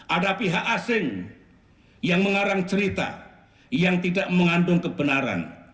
ada pihak asing yang mengarang cerita yang tidak mengandung kebenaran